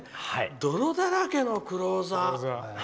泥だらけのクローザー。